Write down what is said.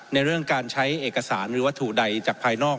ในเรื่องการใช้เอกสารหรือวัตถุใดจากภายนอก